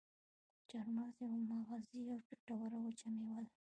چارمغز یوه مغذي او ګټوره وچه میوه ده.